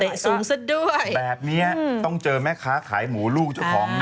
สูงซะด้วยแบบนี้ต้องเจอแม่ค้าขายหมูลูกเจ้าของ